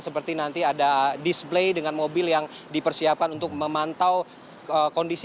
seperti nanti ada display dengan mobil yang dipersiapkan untuk memantau kondisi